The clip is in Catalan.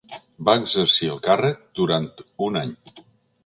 Va exercir el càrrec durant un any.